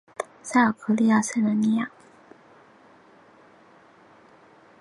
耶尔萨克的圣热尼。